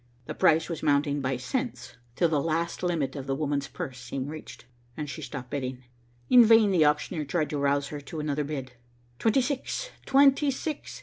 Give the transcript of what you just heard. The price was mounting by cents, till the last limit of the woman's purse seemed reached, and she stopped bidding. In vain the auctioneer tried to rouse her to another bid. "Twenty six, twenty six.